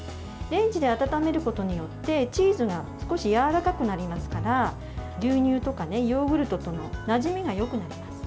レンジで温めることによってチーズが少しやわらかくなりますから牛乳とかヨーグルトとのなじみがよくなります。